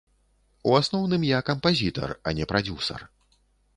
У асноўным я кампазітар, а не прадзюсар.